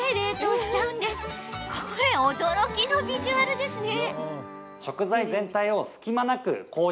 これ驚きのビジュアルですね。